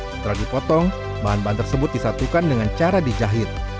setelah dipotong bahan bahan tersebut disatukan dengan cara dijahit